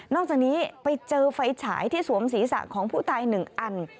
จากนี้ไปเจอไฟฉายที่สวมศีรษะของผู้ตาย๑อัน